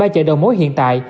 ba chợ đầu mối hiện tại